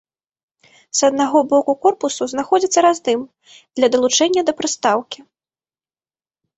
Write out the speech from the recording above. С аднаго боку корпусу знаходзіцца раздым для далучэння да прыстаўкі.